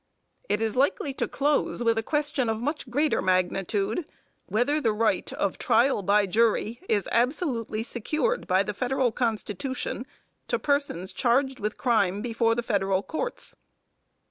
It is likely to close with a question of much greater magnitude whether the right of trial by jury is absolutely secured by the federal constitution to persons charged with crime before the federal courts.